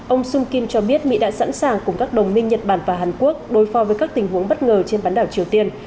ông sung kim cho biết mỹ đã sẵn sàng cùng các đồng minh nhật bản và hàn quốc đối phó với các tình huống bất ngờ trên bán đảo triều tiên